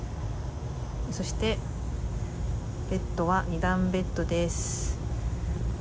そして、ベッドは２段ベッドです。